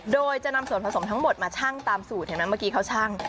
โดยจะนำส่วนผสมทั้งหมดมาชั่งตามสูตรเห็นไหมเมื่อกี้เขาชั่ง